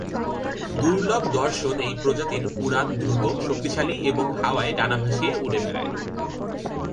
দুর্লভ দর্শন এই প্রজাতির উড়ান দ্রুত, শক্তিশালী এবং হাওয়ায় ডানা ভাসিয়ে উড়ে রেড়ায়।